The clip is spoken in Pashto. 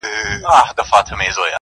له غمونو اندېښنو کله خلاصېږو٫